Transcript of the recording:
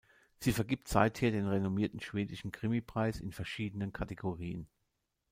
Sie vergibt seither den renommierten Schwedischen Krimipreis in verschiedenen Kategorien.